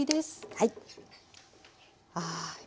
はい。